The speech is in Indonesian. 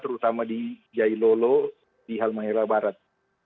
terutama di jailolo di halmahera barat